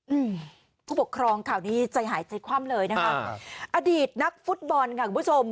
อืมผู้ปกครองข่าวนี้ใจหายใจคว่ำเลยนะคะครับอดีตนักฟุตบอลค่ะคุณผู้ชม